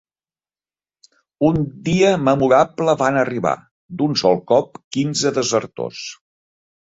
Un dia memorable van arribar, d'un sol cop, quinze desertors.